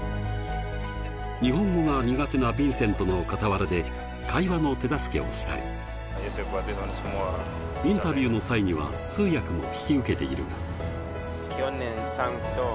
日本語が苦手なヴィンセントの傍らで、会話の手助けをしたり、インタビューの際には通訳も引き受けているが。